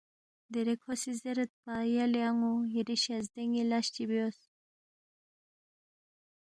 دیرے کھو سی زیریدپا یلے ان٘و یری شزدے ن٘ی لس چی بیوس